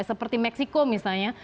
seperti meksiko misalnya